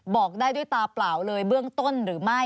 บอกได้ด้วยตาเปล่าเลยเบื้องต้นหรือไม่